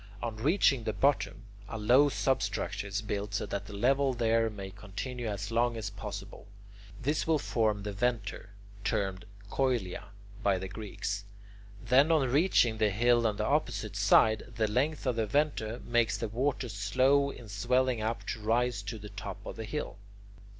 On reaching the bottom, a low substructure is built so that the level there may continue as long as possible. This will form the "venter," termed [Greek: Koilia] by the Greeks. Then, on reaching the hill on the opposite side, the length of the venter makes the water slow in swelling up to rise to the top of the hill.